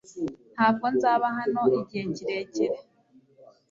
Ntabwo nzaba hano igihe kirekire .